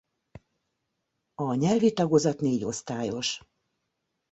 A nyelvi tagozat négyosztályos.